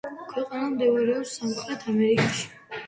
ქვეყანა მდებარეობს სამხრეთ ამერიკაში.